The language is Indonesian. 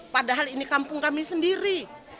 padahal ini kampung kami sendiri